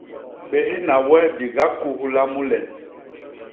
Béhna we di gakuhla mu len.